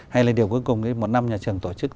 hay là điều cuối cùng một năm nhà trường tổ chức